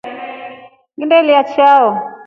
Nginielya chao.